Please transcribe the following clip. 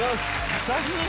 久しぶり！